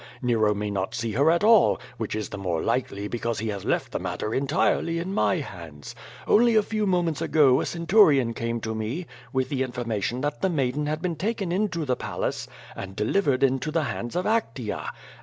Nero may not see her at all, which is the more likely because he has left the matter entirely in my hands. Only a few moments ago a centurion came to me with the information that the maiden had been taken into the palace and delivered into the hands of Actea.